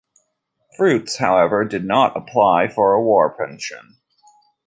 Fruits, however, did not apply for a war pension.